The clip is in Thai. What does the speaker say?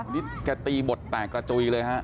นี่แกตีบทแตกกระจุยเลยฮะ